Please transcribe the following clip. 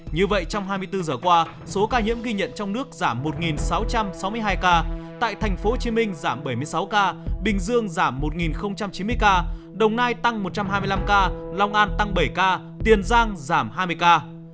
như vậy trong hai mươi bốn giờ qua số ca nhiễm ghi nhận trong nước giảm một sáu trăm sáu mươi hai ca tại tp hcm giảm bảy mươi sáu ca bình dương giảm một chín mươi ca đồng nai tăng một trăm hai mươi năm ca long an tăng bảy ca tiền giang giảm hai mươi ca